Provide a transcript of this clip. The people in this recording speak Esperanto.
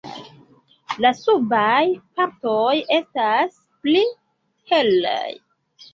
La subaj partoj estas pli helaj.